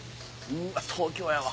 うわ東京やわ。